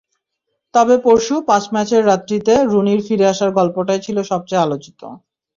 তবে পরশু পাঁচ ম্যাচের রাতটিতে রুনির ফিরে আসার গল্পটাই ছিল সবচেয়ে আলোচিত।